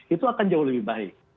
itu akan jauh lebih baik